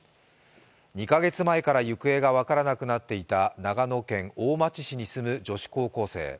２か月前から行方が分からなくなっていた長野県大町市に住む女子高校生。